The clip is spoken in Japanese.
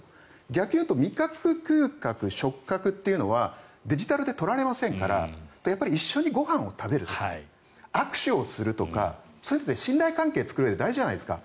逆に言うと味覚、嗅覚、触覚というのはデジタルで取られませんから一緒にご飯を食べるとか握手をするとか、そういうので信頼関係を作るのって大事じゃないですか。